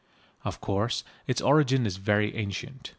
Of course, its origin is very ancient.